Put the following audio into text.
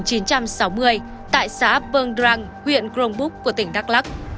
y mút mờ lộ sinh năm một nghìn chín trăm sáu mươi tại xã vương đrang huyện grông búc của tỉnh đắk lắc